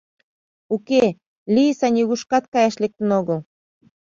Уке, Лийса нигушкат каяш лектын огыл.